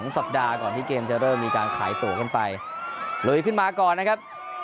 สัปดาห์ก่อนที่เกมจะเริ่มมีการขายตัวขึ้นไปลุยขึ้นมาก่อนนะครับ